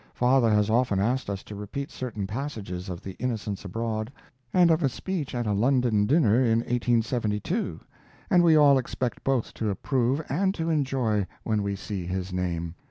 Father has often asked us to repeat certain passages of The Innocents Abroad, and of a speech at a London dinner in 1872, and we all expect both to approve and to enjoy when we see his name.